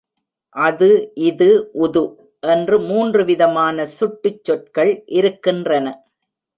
அது, இது, உது என்று மூன்றுவிதமான சுட்டுச் சொற்கள் இருக்கின்றன.